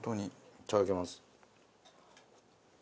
いただきます。